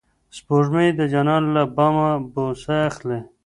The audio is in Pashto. سپوږمۍ د جانان له بامه بوسه اخلي.